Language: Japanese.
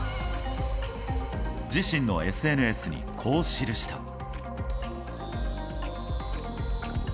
自身のＳＮＳに、こう記した。